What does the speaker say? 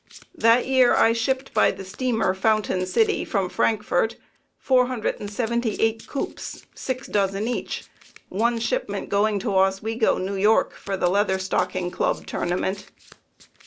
That year I shipped by the steamer Fountain City, from Frankfort, 478 coops, six dozen each, one shipment going to Oswego, N. Y., for the Leather Stocking Club Tournament.